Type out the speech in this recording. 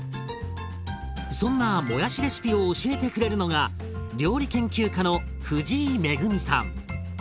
そんなもやしレシピを教えてくれるのが料理研究家の藤井恵さん。